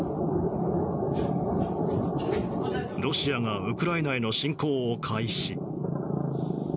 ロシアがウクライナへの侵攻を開始。